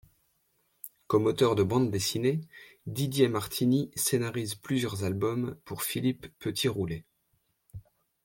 Comme auteur de bande dessinée, Didier Martiny scénarise plusieurs albums pour Philippe Petit-Roulet.